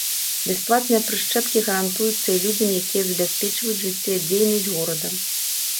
Бясплатныя прышчэпкі гарантуюцца і людзям, якія забяспечваюць жыццядзейнасць горада.